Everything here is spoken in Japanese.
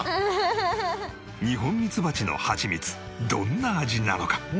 ニホンミツバチのハチミツどんな味なのか？